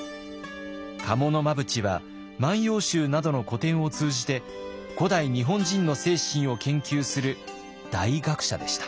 賀茂真淵は「万葉集」などの古典を通じて古代日本人の精神を研究する大学者でした。